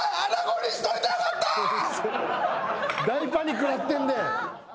大パニックなってんで。